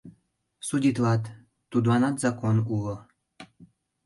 Судитлат, тудланат закон уло.